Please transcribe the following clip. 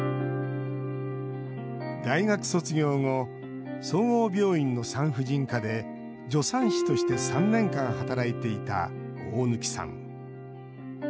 大学卒業後、総合病院の産婦人科で、助産師として３年間、働いていた大貫さん。